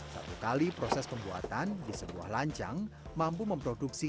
satu kali proses pembuatan di sebuah lancang mampu memproduksi